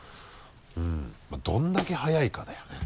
まぁどれだけ速いかだよね。